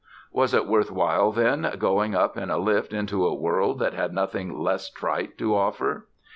Was it worth while then going up in a lift into a world that had nothing less trite to offer?